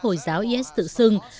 hồi giáo is tự xưng